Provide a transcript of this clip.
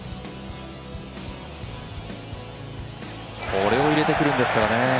これを入れてくるんですよね。